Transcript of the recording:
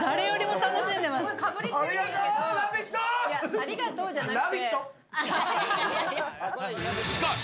ありがとうじゃなくって。